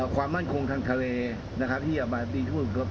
ความมั่นคงทางทะเลนะครับ